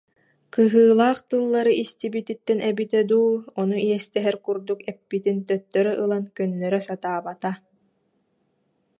Кыһыылаах тыллары истибититтэн эбитэ дуу, ону иэстэһэр курдук эппитин төттөрү ылан көннөрө сатаабата